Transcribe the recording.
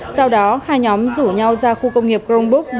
sau đó hai nhóm rủ nhau ra khu công nghiệp crong búc